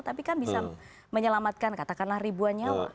tapi kan bisa menyelamatkan katakanlah ribuan nyawa